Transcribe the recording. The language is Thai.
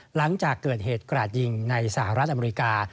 หลังจากเกิดเหตุกราดยิงในสหรัฐอเมริกา